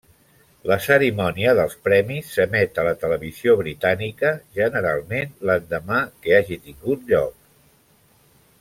La cerimònia dels Premis s'emet a la televisió britànica, generalment l'endemà que hagi tingut lloc.